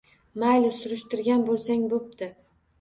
Mayli, surishtirgan bo`lsang bo`pti